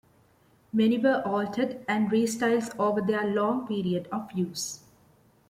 Many were altered and restyles over their long period of use.